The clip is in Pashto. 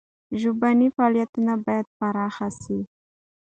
ژبني فعالیتونه باید پراخ سي.